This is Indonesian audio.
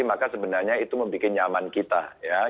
maka sebenarnya itu membuat nyaman kita ya